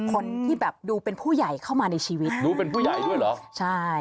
คนที่แบบดูเป็นผู้ใหญ่เข้ามาในชีวิตดูเป็นผู้ใหญ่ด้วยเหรอใช่